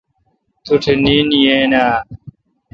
توٹھ نیند یین آں؟.